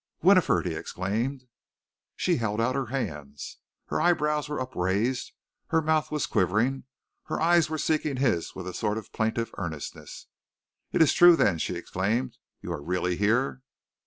"Winifred!" he exclaimed. She held out her hands. Her eyebrows were upraised, her mouth was quivering, her eyes were seeking his with a sort of plaintive earnestness. "It is true, then!" she exclaimed. "You are really here!"